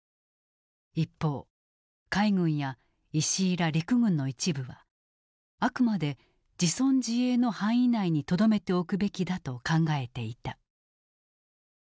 一方海軍や石井ら陸軍の一部はあくまで自存自衛の範囲内にとどめておくべきだと考えていた。